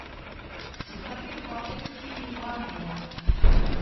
Wusafiri ghwa basikili ni ghwa mboa.